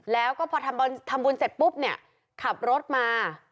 แล้วก็พอทำบุญเสร็จปุ๊บเนี่ยขับรถมา